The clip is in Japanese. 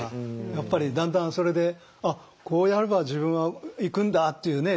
やっぱりだんだんそれであっこうやれば自分はいくんだっていうね